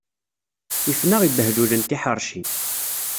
Ifen-aɣ ibehlulen tiḥḥeṛci.